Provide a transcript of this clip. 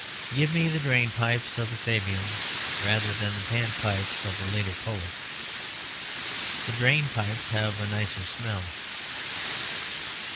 Give me the drain pipes of the Fabians rather than the panpipes of the later poets; the drain pipes have a nicer smell.